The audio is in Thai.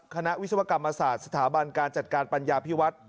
วิศวกรรมศาสตร์สถาบันการจัดการปัญญาพิวัฒน์